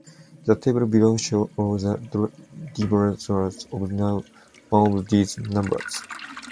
The table below shows all the divisors of one of these numbers.